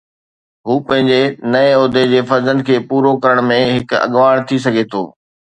هو پنهنجي نئين عهدي جي فرضن کي پورو ڪرڻ ۾ هڪ اڳواڻ ٿي سگهي ٿو